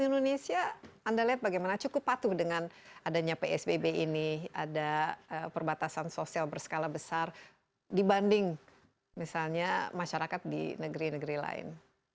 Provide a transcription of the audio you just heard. indonesia anda lihat bagaimana cukup patuh dengan adanya psbb ini ada perbatasan sosial berskala besar dibanding misalnya masyarakat di negeri negeri lain